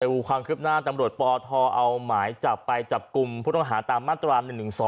ดูความคืบหน้าตำรวจปทเอาหมายจับไปจับกลุ่มผู้ต้องหาตามมาตรา๑๑๒